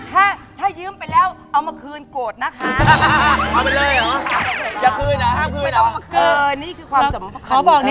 แค่ถ้ายืมไปแล้วเอามาคืนกดนะคะ